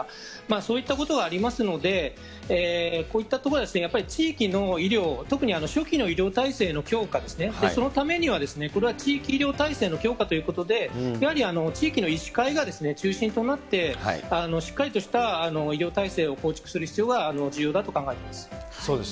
そういったことはありますので、こういったところはやっぱり地域の医療、特に初期の医療体制の強化ですね、そのためには、これは地域医療体制の強化ということで、やはり地域の医師会が中心となって、しっかりとした医療体制を構築する必要が重要だと考えています。